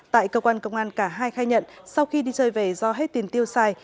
tại cơ quan công an cả hai khai nhận sau khi đi chơi về do hết tiền tiêu xài